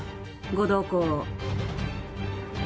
ご同行を。